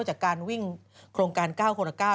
จากการวิ่งโครงการ๙คนละ๙